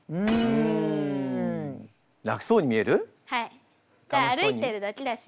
はい歩いてるだけだし。